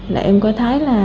là em có thấy là